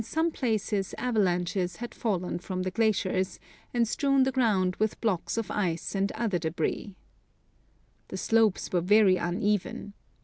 232 A Mysterious Vale some places avalanches had fallen from the glaciers, and strewn the ground with blocks of ice and other debris. The slopes were very uneven.